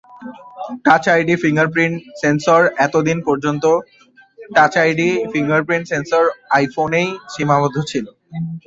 Touch ID fingerprint সেনসরএত দিন পর্যন্ত টাচ আইডি ফিঙ্গারপ্রিন্ট সেনসর আইফোনেই সীমাবদ্ধ ছিল।